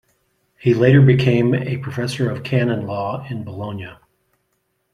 He later became a professor of canon law in Bologna.